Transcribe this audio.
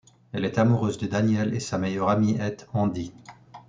Elle est amoureuse de Daniel et sa meilleure amie est Andi.